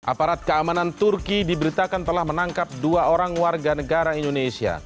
aparat keamanan turki diberitakan telah menangkap dua orang warga negara indonesia